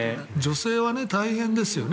女性は大変ですよね。